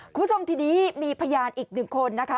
คุณผู้ชมทีนี้มีพยานอีกหนึ่งคนนะคะ